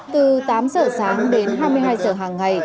từ tám giờ sáng đến hai mươi hai giờ hàng ngày